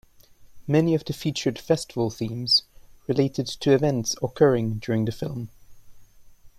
Many of the featured festival themes related to events occurring during the film.